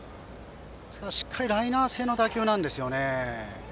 しっかりライナー性の打球なんですね。